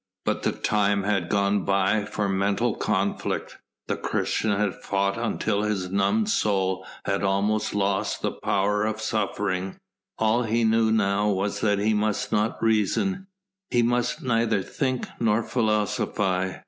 But the time had gone by for mental conflict. The Christian had fought until his numbed soul had almost lost the power of suffering; all he knew now was that he must not reason, he must neither think nor philosophise.